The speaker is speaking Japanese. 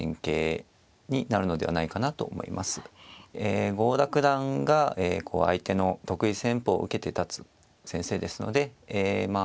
え郷田九段が相手の得意戦法を受けて立つ先生ですのでえま